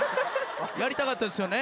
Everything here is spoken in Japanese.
やりたかったですよね？